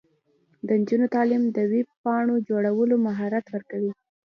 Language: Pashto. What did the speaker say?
د نجونو تعلیم د ویب پاڼو جوړولو مهارت ورکوي.